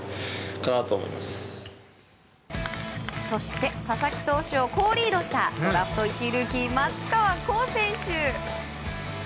そして佐々木投手を好リードしたドラフト１位ルーキー松川虎生選手。